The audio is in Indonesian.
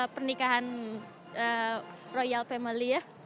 pernikahan royal family ya